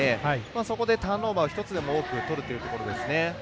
そこでターンオーバーを１つでも多くとるというところですね。